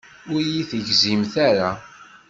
Ur iyi-tegzimt ara.